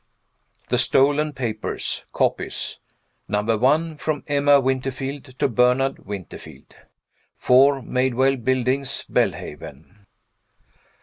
THE STOLEN PAPERS. (COPIES.) Number One. From Emma Winterfield to Bernard Winterfield. 4 Maidwell Buildings, Belhaven.